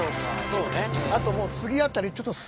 そうね。